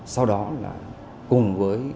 sau đó là cùng với